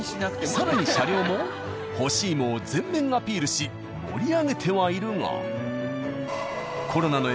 更に車両も干し芋を全面アピールし盛り上げてはいるが。